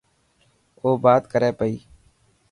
او بات ڪري پئي.